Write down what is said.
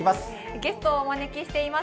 ゲストをお招きしています。